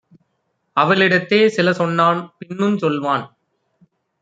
அவளிடத்தே சிலசொன்னான். பின்னுஞ் சொல்வான்: